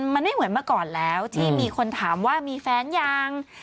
มันไม่เหมือนเมื่อก่อนแล้วที่มีคนถามว่ามีแฟนยัง